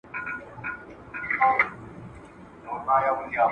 دعا ، دعا ،دعا ، دعا كومه